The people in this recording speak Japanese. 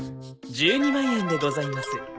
１２万円でございます。